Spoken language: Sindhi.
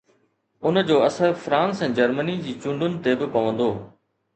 ان جو اثر فرانس ۽ جرمني جي چونڊن تي به پوندو